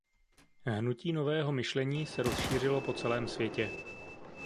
Hnutí Nového myšlení se rozšířilo po celém světě.